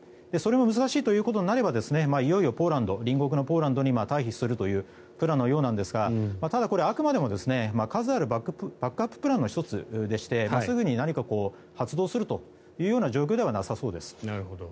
それも難しいということになればいよいよ隣国のポーランドに退避するというプランのようですがただ、これはあくまでも数あるバックアッププランの１つでしてすぐに何か発動するというような状況ではなさそうです。